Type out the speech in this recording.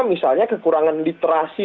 misalnya kekurangan literasi